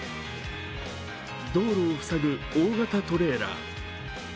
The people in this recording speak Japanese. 道路を塞ぐ大型トレーラー。